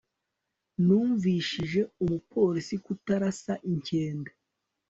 numvishije umupolisi kutarasa inkende